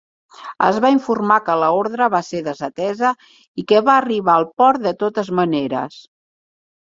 Es va informar que l'ordre va ser desatesa i que van arribar al port de totes maneres.